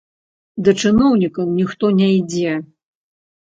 Да чыноўнікаў ніхто не ідзе.